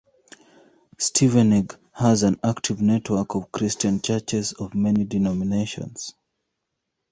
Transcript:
Stevenage has an active network of Christian churches of many denominations.